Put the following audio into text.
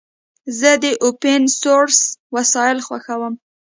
زه د اوپن سورس وسایل خوښوم.